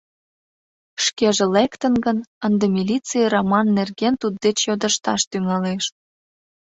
Шкеже лектын гын, ынде милиций Раман нерген туддеч йодышташ тӱҥалеш.